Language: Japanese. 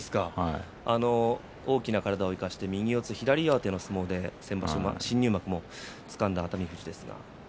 あの大きな体を生かして右四つ左上手の相撲で先場所、新入幕をつかんだ熱海富士ですが。